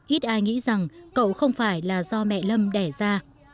ít ai nghĩ rằng cậu không phải là do mẹ lâm đẻ ra